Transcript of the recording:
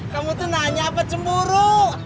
kamu tuh nanya apa cemburu